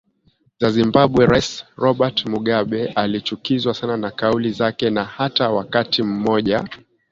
za Zimbabwe Rais Robert Mugabe alichukizwa sana na kauli zake na hata wakati mmoja